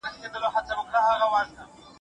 تاسو د دې وطن سرمايه يئ.